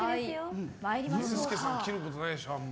健介さん切ることないでしょう。